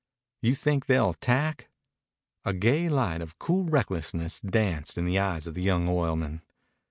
"You think they'll attack." A gay light of cool recklessness danced in the eyes of the young oilman.